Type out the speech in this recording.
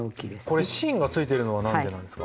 これ芯がついてるのは何でなんですか？